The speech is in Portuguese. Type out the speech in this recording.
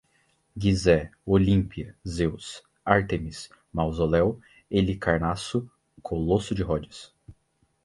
Gizé, Olímpia, Zeus, Ártemis, Mausoléu, Helicarnasso, Colosso de Rodes